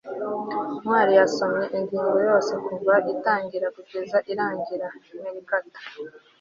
ntwali yasomye ingingo yose kuva itangiriro kugeza irangiye meerkat